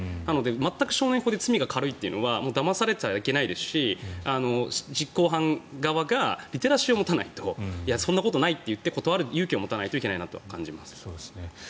全く、少年法で罪が軽いというのはだまされちゃいけないですし実行犯側がリテラシーを持たないとそんなことないと言って断る勇気を持たないといけないなと感じます。